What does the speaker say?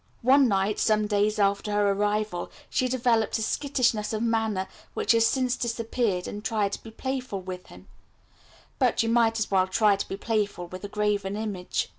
One night, some days after her arrival, she developed a skittishness of manner which has since disappeared, and tried to be playful with him; but you might as well try to be playful with a graven image.